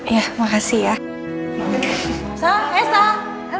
ya makasih ya